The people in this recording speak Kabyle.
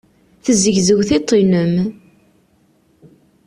Tezzegzew tiṭ-nnem.